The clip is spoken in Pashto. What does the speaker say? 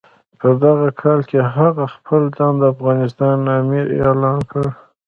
په دغه کال هغه خپل ځان د افغانستان امیر اعلان کړ.